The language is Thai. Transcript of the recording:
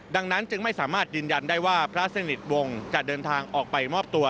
ดังนั้นจึงไม่สามารถยืนยันได้ว่าพระสนิทวงศ์จะเดินทางออกไปมอบตัว